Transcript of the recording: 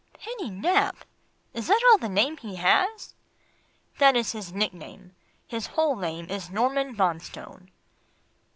"Penny Nap is that all the name he has?" "That is his nickname, his whole name is Norman Bonstone."